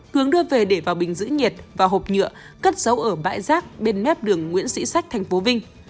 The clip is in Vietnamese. cường đưa về để vào bình giữ nhiệt và hộp nhựa cất dấu ở bãi rác bên mép đường nguyễn sĩ sách tp vinh